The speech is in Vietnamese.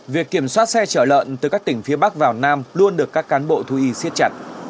việc kiểm soát xe chở lợn từ các tỉnh phía bắc vào nam luôn được các cán bộ thú y siết chặt